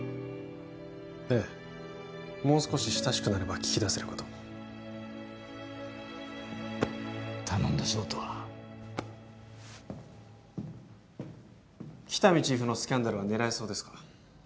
ええもう少し親しくなれば聞き出せるかと頼んだぞ音羽喜多見チーフのスキャンダルは狙えそうですか？